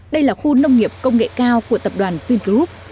đây là khu nông nghiệp công nghệ cao của tập đoàn vingroup